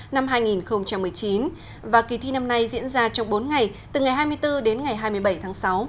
năm hai nghìn một mươi chín và kỳ thi năm nay diễn ra trong bốn ngày từ ngày hai mươi bốn đến ngày hai mươi bảy tháng sáu